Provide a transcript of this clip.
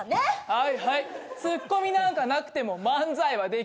はいはいツッコミなんかなくても漫才はできます